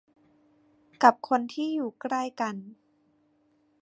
กับคนที่อยู่ใกล้กัน